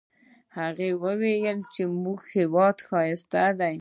هغه وایي چې زموږ هیواد ښایسته ده